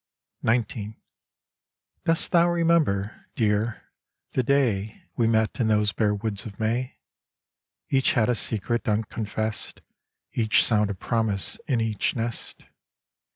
XIX Dost thou remember, Dear, the day We met in those bare woods of May? Each had a secret unconfessed, Each sound a promise, in each nest.